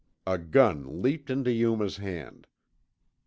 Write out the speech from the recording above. A gun leaped into Yuma's hand.